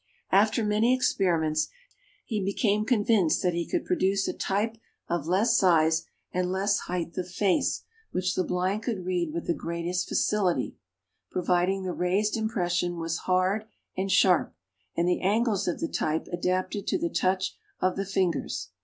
After many experiments, he became convinced that he could produce a type of less size, and less height of face, which the blind could read with the greatest facility; providing the raised impression was hard and sharp, and the angles of the type adapted to the touch of the fingers.